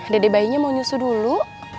dede bayinya mau nyusu dulu